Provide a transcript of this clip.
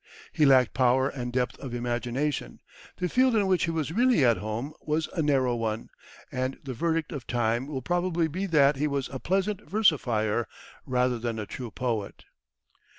He lacked power and depth of imagination, the field in which he was really at home was a narrow one, and the verdict of time will probably be that he was a pleasant versifier rather than a true poet.